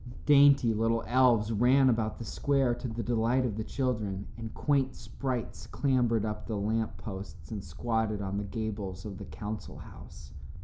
Dainty little elves ran about the square to the delight of the children, and quaint sprites clambered up the lamposts and squatted on the gables of the council house.